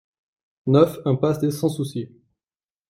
neuf impasse des Sans Soucis